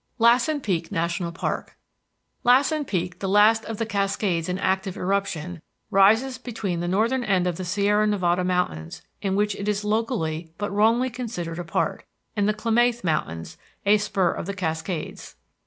LASSEN PEAK NATIONAL PARK Lassen Peak, the last of the Cascades in active eruption, rises between the northern end of the Sierra Nevada Mountains, of which it is locally but wrongly considered a part, and the Klamath Mountains, a spur of the Cascades.